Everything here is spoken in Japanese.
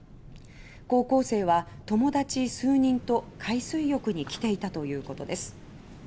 高校生は友達数人と海水浴に来ていたということです。